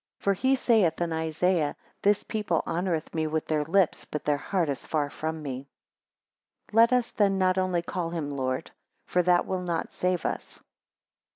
For he saith in Isaiah; This people honoureth me with their lips, but their heart is far from me. 12 Let us then not only call him Lord; for that will not save us.